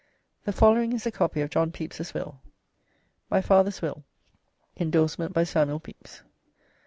The following is a copy of John Pepys's will: "MY FATHER'S WILL. [Indorsement by S. Pepys.